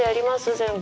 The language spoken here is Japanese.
全部。